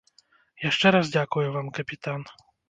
Яшчэ раз дзякую вам, капітан.